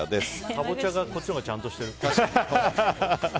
カボチャがこっちのほうがちゃんとしてる。